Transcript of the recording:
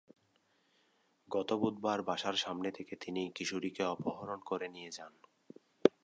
গত বুধবার বাসার সামনে থেকে তিনি কিশোরীকে অপহরণ করে নিয়ে যান।